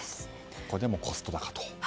ここでもコスト高と。